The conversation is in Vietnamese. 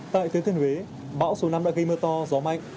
tại thứ thuyền huế bão số năm đã gây mưa to gió mạnh